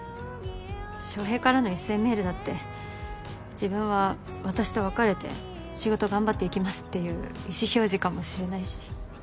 翔平からの一斉メールだって自分は私と別れて仕事頑張っていきますっていう意思表示かもしれないし。